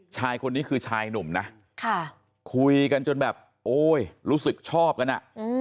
ชายคนนี้คือชายหนุ่มนะคุยกันจนแบบโอ้ยรู้สึกชอบกันอ่ะ